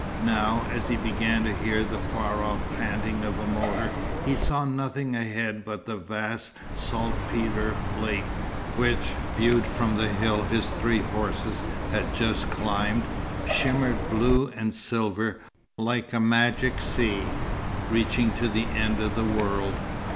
Now, as he began to hear the far off panting of a motor, he saw nothing ahead but the vast saltpetre lake, which, viewed from the hill his three horses had just climbed, shimmered blue and silver, like a magic sea, reaching to the end of the world.